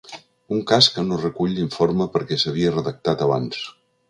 Un cas que no recull l’informe perquè s’havia redactat abans.